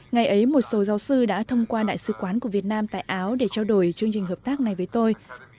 ngày ấy một số giáo sư đã thông qua đại sứ quán của việt nam tại áo để trao đổi chương trình hợp tác này với tôi